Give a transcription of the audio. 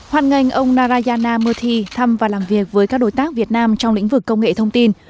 hoàn ngành ông narayana mothi thăm và làm việc với các đối tác việt nam trong lĩnh vực công nghệ thông tin